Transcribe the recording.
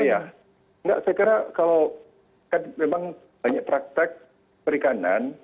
ya saya kira kalau memang banyak praktek perikanan